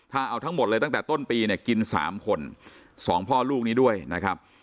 ถ้าเอาทั้งหมดเลยตั้งแต่ต้นปีเนี่ยกิน๓คน๒พ่อลูกนี้ด้วยนะครับ